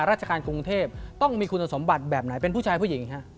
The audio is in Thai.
ราชการกรุงเทพต้องมีคุณสมบัติแบบไหนเป็นผู้ชายผู้หญิงฮะ